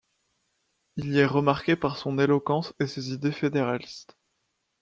Il y est remarqué par son éloquence et ses idées fédéralistes.